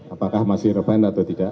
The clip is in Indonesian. apakah masih reban atau tidak